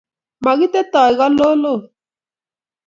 Makitetoi go Iuloot